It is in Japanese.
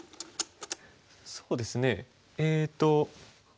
そうですねえっと。